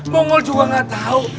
mongol juga gatau